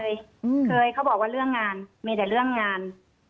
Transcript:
เคยเขาบอกว่าเรื่องงานมีแต่เรื่องงาน